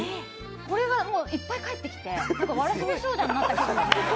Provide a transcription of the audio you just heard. これがいっぱい帰ってきて、わらしべ長者になったみたいに。